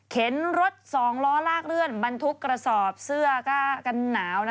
รถ๒ล้อลากเลื่อนบรรทุกกระสอบเสื้อกันหนาว